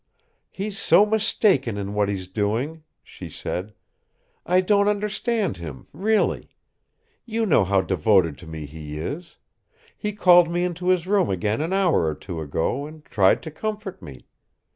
"He's so mistaken in what he's doing!" she said. "I don't understand him really. You know how devoted to me he is. He called me into his room again an hour or two ago and tried to comfort me.